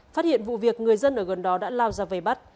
phát hiện vụ việc người dân ở gần đó đã lao ra vây bắt